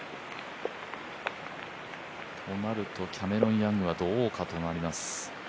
となるとキャメロン・ヤングはどうなるかということになります。